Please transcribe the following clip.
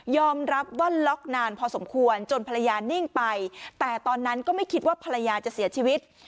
รับว่าล็อกนานพอสมควรจนภรรยานิ่งไปแต่ตอนนั้นก็ไม่คิดว่าภรรยาจะเสียชีวิต